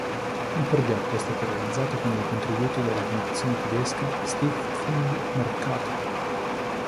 Il progetto è realizzato con il contributo della fondazione tedesca Stiftung Mercator.